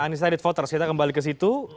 anissa edith voters kita kembali ke situ